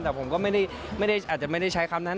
แต่ผมก็ไม่ได้อาจจะไม่ได้ใช้คำนั้น